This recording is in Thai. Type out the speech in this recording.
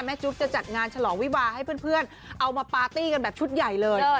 จุ๊บจะจัดงานฉลองวิวาให้เพื่อนเอามาปาร์ตี้กันแบบชุดใหญ่เลย